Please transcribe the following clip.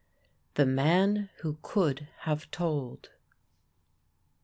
THE MAN WHO COULD HAVE TOLD.